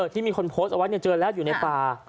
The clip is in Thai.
ที่มีคนโพสต์เอาไว้เจอแล้วอยู่ในป่า